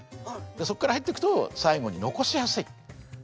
そこから入っていくと最後に残しやすい。